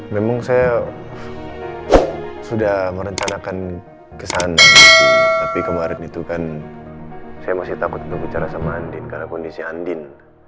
memang saya sudah merencanakan kesana tapi kemarin itu kan saya masih takut untuk bicara sama andien karena kondisi andien